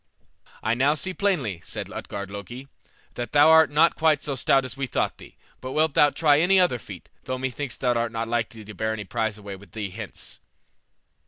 "I now see plainly," said Utgard Loki, "that thou art not quite so stout as we thought thee: but wilt thou try any other feat, though methinks thou art not likely to bear any prize away with thee hence."